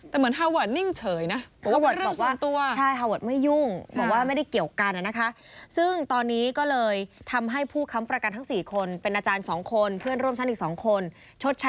แต่เหมือนฮาเวิร์ดนิ่งเฉยนะ